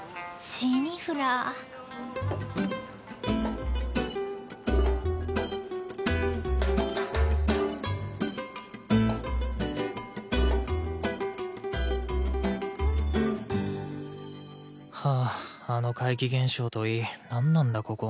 ジントーヨーはぁあの怪奇現象といい何なんだここは。